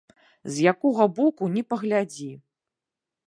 З якога боку ні паглядзі.